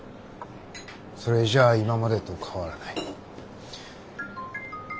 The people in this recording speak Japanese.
それじゃ今までと変わらない。